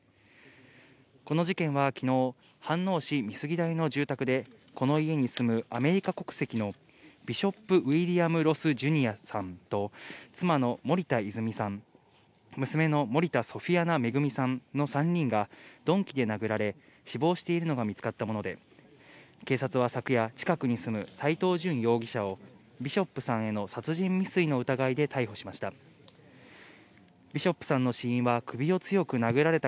この事件はきのう、飯能市美杉台の住宅で、この家に住むアメリカ国籍のビショップ・ウィリアム・ロス・ジュニアさんと、妻の森田泉さん、娘の森田ソフィアナ恵さんの３人が、鈍器で殴られ、死亡しているのが見つかったもので、警察は昨夜、近くに住む斎藤淳容疑者を、ビショップさんへの殺人未遂の疑いで逮捕しました。